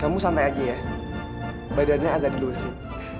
kamu santai aja ya badannya agak dilusin